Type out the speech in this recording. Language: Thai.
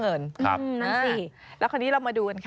สวัสดีค่ะสวัสดีค่ะสวัสดีค่ะสวัสดีค่ะ